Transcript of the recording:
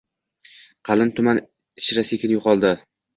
Qalin tuman ichra sekin yo‘qoldi.